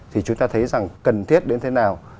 thì chúng ta thấy rằng cần thiết đến thế nào